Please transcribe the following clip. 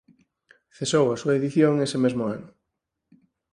Cesou a súa edición ese mesmo ano.